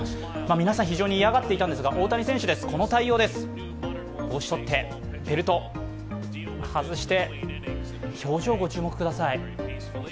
皆さん非常に嫌がっていたんですが、大谷選手です、この対応です、帽子をとって、ベルトを外して、表情、ご注目ください。